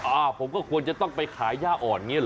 อ่าผมก็ควรจะต้องไปขายย่าอ่อนเนี่ยเหรอ